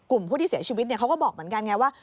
กลุ่มผู้ที่เสียชีวิตเขาก็บอกเหมือนกันไงว่า